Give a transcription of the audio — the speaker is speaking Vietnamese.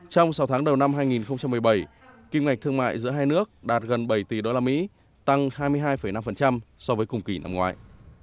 trong sáu tháng đầu năm hai nghìn một mươi bảy kim ngạch thương mại giữa hai nước đạt gần bảy tỷ usd tăng hai mươi hai năm so với cùng kỳ năm ngoái